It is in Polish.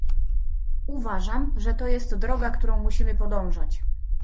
Uważam, że to jest droga, którą musimy podążać